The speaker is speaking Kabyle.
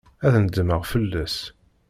Ad nedmeɣ fell-as.